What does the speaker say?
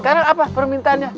sekarang apa permintaannya